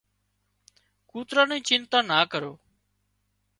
ڪُوترا نِي چنتا نا ڪرو